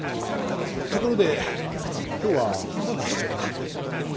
ところで今日は保坂市長は？